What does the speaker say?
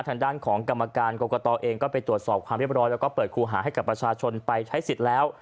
ทางด้านของกรรมการกรกตเองก็ไปตรวจสอบความเรียบร้อยแล้วก็เปิดครูหาให้กับประชาชนไปใช้สิทธิ์แล้ว